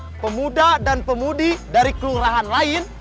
kita ajak pemuda dan pemudi dari kelurahan lain